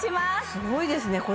すごいですね